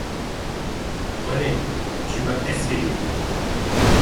René, tu m’as esveiglée!